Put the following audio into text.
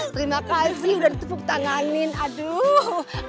terima kasih udah ditepuk tanganin aduh